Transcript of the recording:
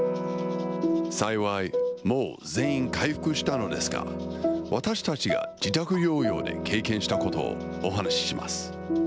幸い、もう全員回復したのですが、私たちが自宅療養で経験したことをお話しします。